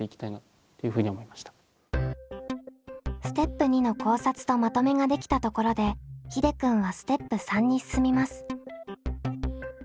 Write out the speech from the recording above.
ステップ２の考察とまとめができたところでひでくんはステップ３に進みます。